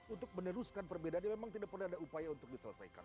untuk meneruskan perbedaannya memang tidak pernah ada upaya untuk diselesaikan